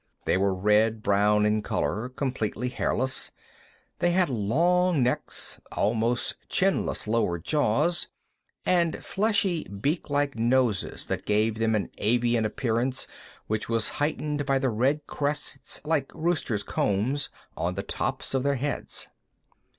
They were red brown in color, completely hairless; they had long necks, almost chinless lower jaws, and fleshy, beaklike noses that gave them an avian appearance which was heightened by red crests, like roosters' combs, on the tops of their heads.